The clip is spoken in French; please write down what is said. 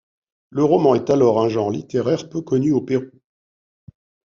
Le roman est alors un genre littéraire peu connu au Pérou.